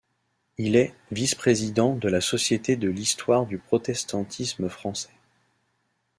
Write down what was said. Il est vice-président de la Société de l'histoire du protestantisme français.